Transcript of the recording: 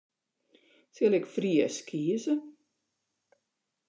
Sil ik Frysk kieze?